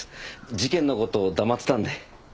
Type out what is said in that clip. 事件の事を黙ってたんで。